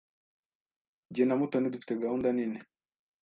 Jye na Mutoni dufite gahunda nini.